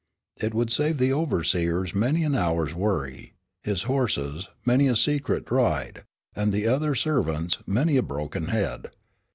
It would save the overseers many an hour's worry; his horses, many a secret ride; and the other servants, many a broken head.